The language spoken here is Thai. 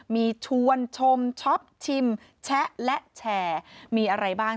มีชวนชมชอบชิมแชะและแชร์มีอะไรบ้าง